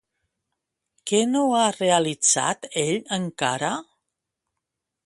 Què no ha realitzat ell encara?